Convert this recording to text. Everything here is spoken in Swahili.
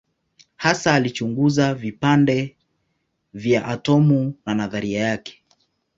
Hasa alichunguza vipande vya atomu na nadharia yake.